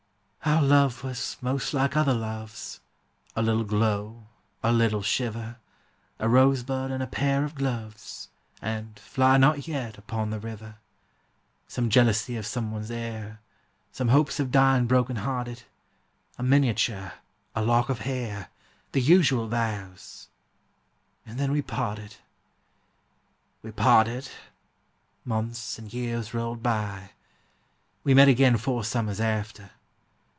Our love was most like other loves, A little glow, a little shiver, A rosebud and a pair of gloves, And "Fly Not Yet," upon the river; Some jealousy of some one's heir, Some hopes of dying broken hearted; A miniature, a lock of hair, The usual vows, and then we parted. We parted: months and years rolled by; We met again four summers after.